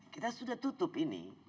kita sudah tutup ini